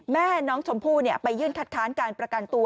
แม่น้องชมพู่ไปยื่นคัดค้านการประกันตัว